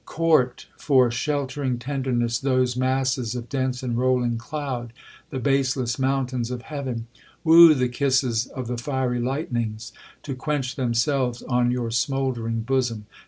Court, for sheltering tenderness, those masses of dense and rolling cloud,—the baseless mountains of heaven! Woo the kisses of the fiery lightnings, to quench themselves on your smouldering bosom!